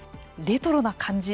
レトロな感じ。